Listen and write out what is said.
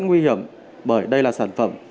nguy hiểm bởi đây là sản phẩm